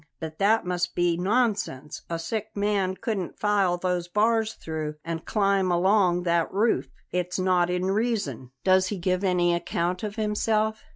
But that must be nonsense; a sick man couldn't file those bars through and climb along that roof. It's not in reason." "Does he give any account of himself?"